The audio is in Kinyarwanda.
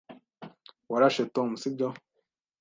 Warashe Tom, sibyo?